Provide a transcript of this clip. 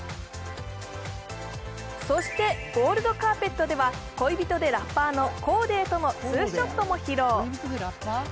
そして、ゴールドカーペットでは恋人でラッパーのコーデーとのツーショットも披露。